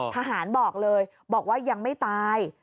ทหารบอกเลยบอกว่ายังไม่ตาย